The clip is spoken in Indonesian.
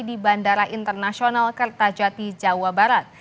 di bandara internasional kertajati jawa barat